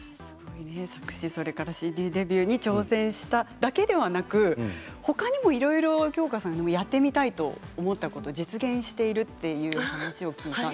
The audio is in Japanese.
作詞とＣＤデビューに挑戦しただけではなくほかにもいろいろやってみたいと思ったことを実現しているという話を聞きました。